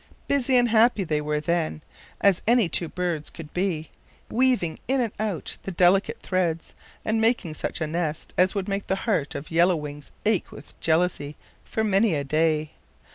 Busy and happy they were then, as any two birds could be, weaving in and out the delicate threads, and making such a nest as would make the heart of Yellow Wings ache with jealousy for many a day.